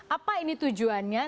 apa ini tujuannya